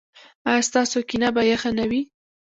ایا ستاسو کینه به یخه نه وي؟